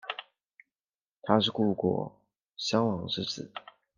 他是故国壤王之子。